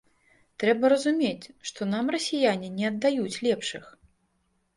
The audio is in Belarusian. Трэба разумець, што нам расіяне не аддаюць лепшых.